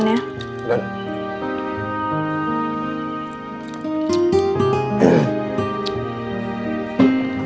terima kasih bu